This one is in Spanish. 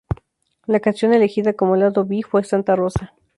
La canción elegida como lado B fue Santa Rosa.